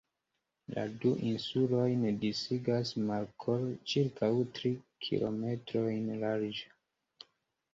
La du insulojn disigas markolo ĉirkaŭ tri kilometrojn larĝa.